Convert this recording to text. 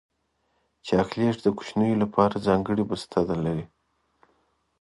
چاکلېټ د کوچنیو لپاره ځانګړی بسته لري.